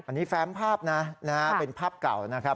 อันนี้แฟ้มภาพนะเป็นภาพเก่านะครับ